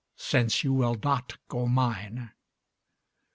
Since you will not go mine.